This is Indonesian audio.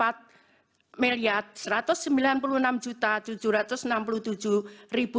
atau rp sembilan puluh delapan